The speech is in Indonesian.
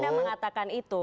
dan anda mengatakan itu